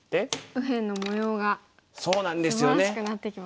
右辺の模様がすばらしくなってきましたね。